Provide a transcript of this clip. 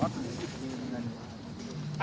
มีเงิน